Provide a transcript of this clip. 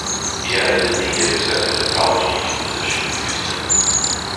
He added that he had accepted a college teaching position in Houston.